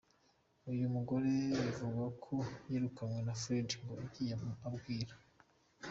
Uyu mugore bivugwa ko yirukanwe na Fred ngo yagiye abwira.